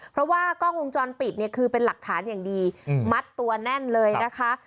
เพราะว่ากล้องวงจรปิดเนี่ยคือเป็นหลักฐานอย่างดีมัดตัวแน่นเลยนะคะ